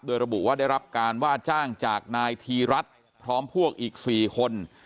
โดยระบุว่าได้รับการว่าจ้างจากนายธีรัฐพร้อมพวกอีก๔คน